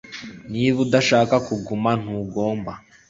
Niba udashaka kuguma ntugomba